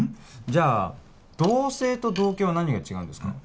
じゃあ「同棲」と「同居」は何が違うんですか？